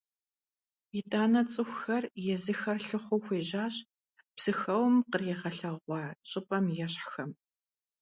ИтӀанэ цӀыхухэр езыхэр лъыхъуэу хуежьащ Псыхэуэм къригъэлъэгъуа щӀыпӀэм ещхьхэм.